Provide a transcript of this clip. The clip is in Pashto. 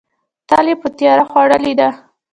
تل یې په تیار خوړلې ده.